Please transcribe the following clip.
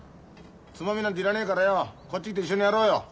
つまみなんて要らねえからよこっち来て一緒にやろうよ。